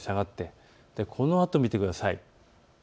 このあと見てください。